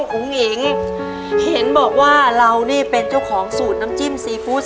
อุ๋งอิ๋งเห็นบอกว่าเรานี่เป็นเจ้าของสูตรน้ำจิ้มซีฟู้ด